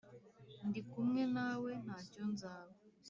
ndi kumwe nawe, ntacyo nzaba